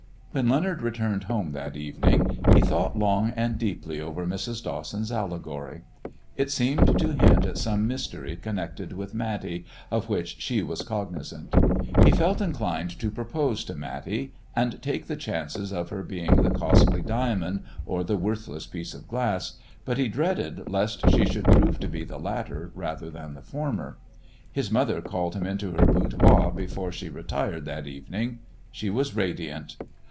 When Leonard returned home that evening, he thought long and deeply over Mrs. Dawson's allegory. It seemed to hint at some mystery connected with Matty, of which she was cognizant. He felt inclined to propose to Matty, and take the chances of her being the costly diamond or the worthless piece of glass, but he dreaded lest she should prove to be the latter rather than the former. His mother called him into her boudoir before she retired that evening. She was radiant.